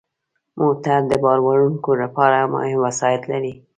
موټر د بار وړونکو لپاره مهم وسایط لري.